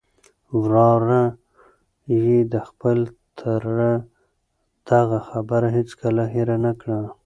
وراره یې د خپل تره دغه خبره هیڅکله هېره نه کړه.